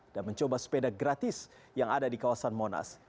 dan mencoba sepeda gratis yang ada di kawasan monas